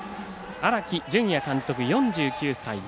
荒木準也監督、４９歳。